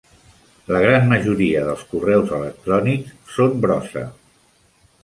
La gran majoria dels correus electrònics són brossa.